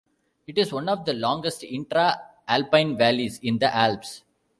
It is one of the longest intra-alpine valleys in the Alps.